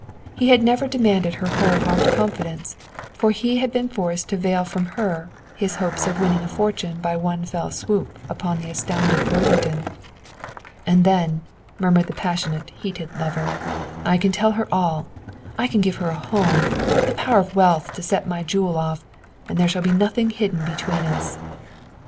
He never had demanded her whole heart confidence, for he had been forced to veil from her his hopes of winning a fortune by one fell swoop upon the astounded Worthington. "And then," murmured the passionate, heated lover, "I can tell her all. I can give her a home, the power of wealth to set my jewel off, and there shall be nothing hidden between us."